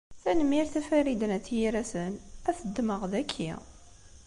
Tanemmirt a Farid n At Yiraten, ad t-ddmeɣ daki.